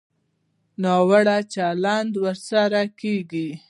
ناوړه چلند ورسره کېږي.